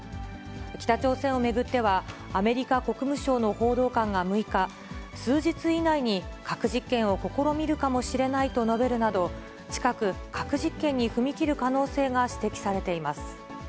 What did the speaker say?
北朝鮮を巡っては、アメリカ国務省の報道官が６日、数日以内に核実験を試みるかもしれないと述べるなど、近く、核実験に踏み切る可能性が指摘されています。